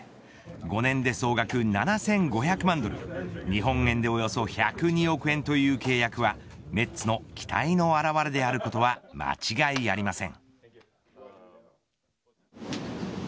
５年で総額７５００万ドル日本円でおよそ１０２億円という契約はメッツの期待の表れであることは間違いありません。